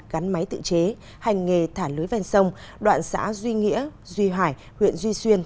gắn máy tự chế hành nghề thả lưới ven sông đoạn xã duy nghĩa duy hải huyện duy xuyên